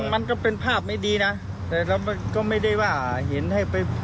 มันก็เป็นภาพไม่ดีนะแต่เราก็ไม่ได้ว่าเห็นให้ไป